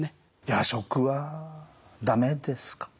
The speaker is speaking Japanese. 夜食は駄目ですか？